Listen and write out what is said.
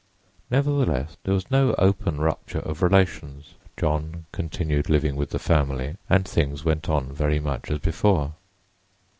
Nevertheless, there was no open rupture of relations: John continued living with the family, and things went on very much as before.